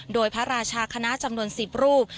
โดยพระราชาคณะจำนวน๑๐รูป